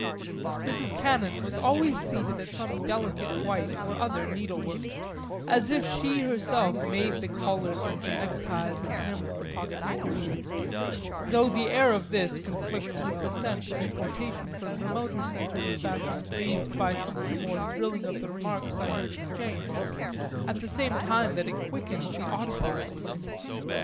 Mrs. Cannon was always seated at some delicate white or other needlework, as if she herself made the collars and the neckties and hemmed the pockethandkerchiefs, though the air of this conflicts with the sense of importation from remoter centres of fashion breathed by some of the more thrilling of the remarks I heard exchanged, at the same time that it quickened the oddity of the place.